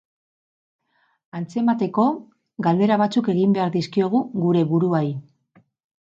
Antzemateko, galdera batzuk egin behar dizkiogu gure buruari.